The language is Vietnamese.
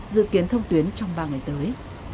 dự kiến thông tuyến trong ba ngày tới